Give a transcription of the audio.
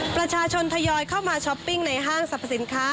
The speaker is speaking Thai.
ประชาชนทยอยเข้ามาช้อปปิ้งในห้างสรรพสินค้า